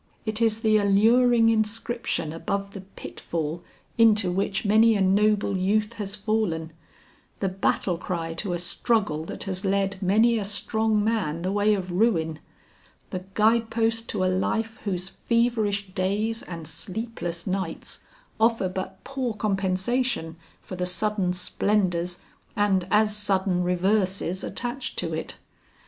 "It is the alluring inscription above the pitfall into which many a noble youth has fallen; the battle cry to a struggle that has led many a strong man the way of ruin; the guide post to a life whose feverish days and sleepless nights offer but poor compensation for the sudden splendors and as sudden reverses attached to it.